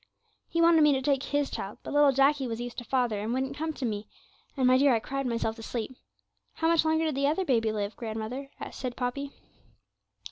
He wanted me to take his child, but little Jacky was used to father, and wouldn't come to me, and, my dear, I cried myself to sleep.' 'And how much longer did the other baby live, grandmother?' said Poppy.